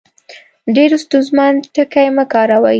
ډېر ستونزمن ټکي مۀ کاروئ